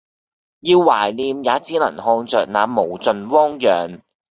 要懷念也只能看著那無盡汪洋